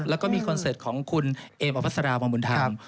แล้วก็มีคอนเสิร์ตของคุณเอมอภัสราพรบุญธรรม